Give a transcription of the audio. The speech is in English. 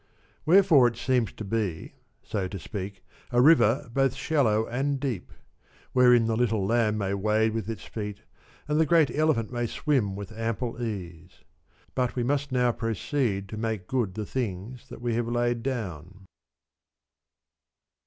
Wherefore it seems to be, so to speak, a river both shallow and deep, wherein the little lamb may wade with its feet and the great elephant may swim with ample space. But we must now proceed to make good the things that we have laid down.